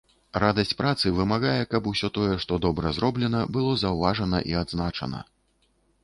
Радасць працы вымагае, каб усё тое, што добра зроблена, было заўважана і адзначана.